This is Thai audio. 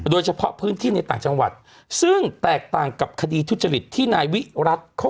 โดยเฉพาะพื้นที่ในต่างจังหวัดซึ่งแตกต่างกับคดีทุจริตที่นายวิรัติเขา